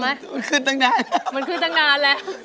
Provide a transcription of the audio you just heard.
มันขึ้นตั้งนานแล้ว